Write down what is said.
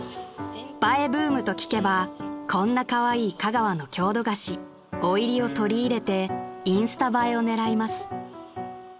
［映えブームと聞けばこんなカワイイ香川の郷土菓子おいりを取り入れてインスタ映えを狙います］